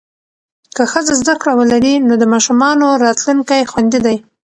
که ښځه زده کړه ولري، نو د ماشومانو راتلونکی خوندي دی.